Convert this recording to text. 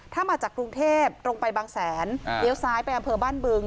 ถ้ามาจากกรุงเทพตรงไปบางแสนเลี้ยวซ้ายไปอำเภอบ้านบึง